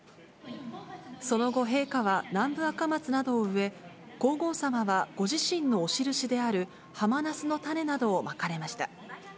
その後、陛下は南部アカマツなどを植え、皇后さまは、ご自身のお印であるハマナスの種などをまかれました。